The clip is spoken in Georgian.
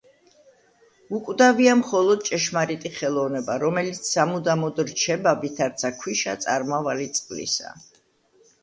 უკვდავია მხოლოდ ჭეშმარიტი ხელოვნება, რომელიც სამუდამოდ რჩება, ვითარცა ქვიშა წარმავალი წყლისა.